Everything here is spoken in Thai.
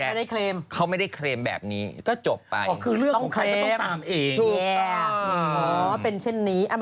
ผมตามหรือบอกว่าเคยดม